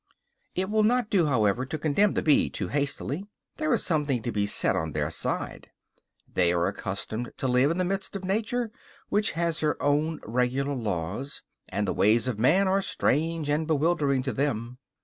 It will not do, however, to condemn the bees too hastily; there is something to be said on their side. They are accustomed to live in the midst of nature, which has her own regular laws; and the ways of man are strange and bewildering to them.